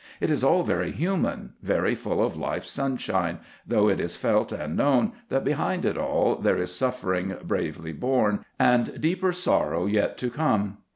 It is all very human, very full of life's sunshine, though it is felt and known that behind it all there is suffering bravely borne and deeper sorrow yet to come.